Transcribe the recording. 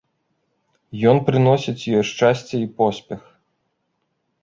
Ён прыносіць ёй шчасце і поспех.